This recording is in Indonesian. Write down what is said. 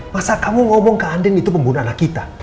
masa kamu ngomong ke andin itu membunuh anak kita